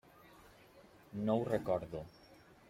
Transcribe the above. No ho recordo.